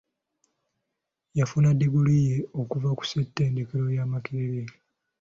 Yafuna ddiguli ye okuva ku ssettendekero ya Makerere.